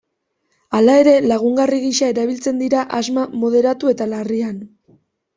Hala ere lagungarri gisa erabiltzen dira asma moderatu eta larrian.